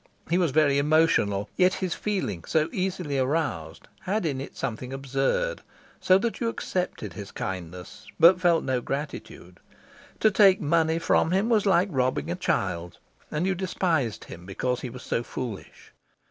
He was very emotional, yet his feeling, so easily aroused, had in it something absurd, so that you accepted his kindness, but felt no gratitude. To take money from him was like robbing a child, and you despised him because he was so foolish.